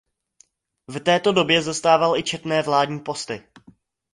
V této době zastával i četné vládní posty.